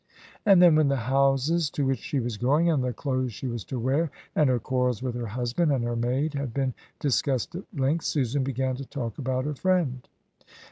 And then, when the houses to which she was going, and the clothes she was to wear, and her quarrels with her husband and her maid had been discussed at length, Susan began to talk about her friend.